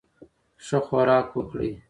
ښه خوراک وکړئ.